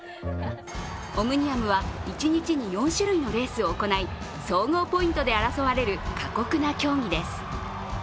オムニアムは一日に４種類のレースを行い、総合ポイントで争われる過酷な競技です。